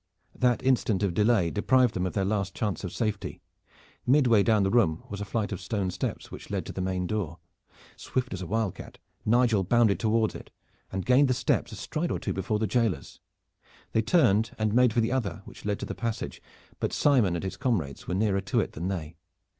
That instant of delay deprived them of their last chance of safety. Midway down the room was a flight of stone steps which led to the main door. Swift as a wildcat Nigel bounded toward it and gained the steps a stride or two before the jailers. They turned and made for the other which led to the passage, but Simon and his comrades were nearer to it than they.